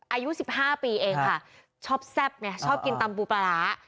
อายุ๑๕ปีเองค่ะชอบแซ่บไงชอบกินตำปูปลาร้า